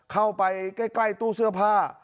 เข้าไปใกล้ตู้เสื้อผ้า